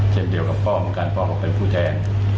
เช่นเดียวกับพ่อเหมือนกันพ่อก็เป็นผู้แทน